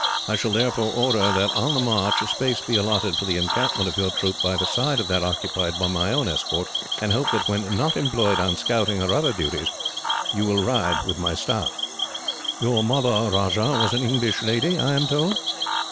I shall therefore order that, on the march, a space be allotted for the encampment of your troop by the side of that occupied by my own escort; and hope that, when not employed on scouting or other duties, you will ride with my staff. "Your mother, Rajah, was an English lady, I am told."